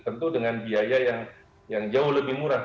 dan tentu dengan biaya yang jauh lebih murah